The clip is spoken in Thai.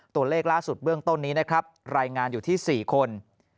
ตัวเลขล่าสุดเบื้องต้นนี้นะครับรายงานอยู่ที่๔คน